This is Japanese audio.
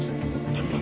谷本！